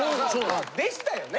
でしたよね。